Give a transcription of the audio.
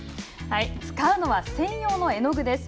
使うのは専用の絵の具です。